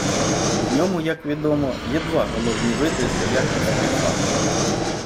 У ньому, як відомо, є два головні види злоякісної фауни.